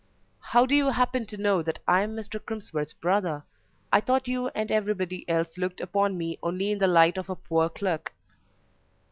"How do you happen to know that I am Mr. Crimsworth's brother? I thought you and everybody else looked upon me only in the light of a poor clerk."